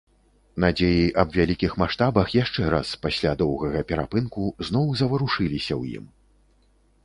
Надзеі аб вялікіх маштабах яшчэ раз, пасля доўгага перапынку, зноў заварушыліся ў ім.